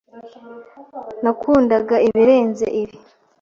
Nakundaga ibirenze ibi.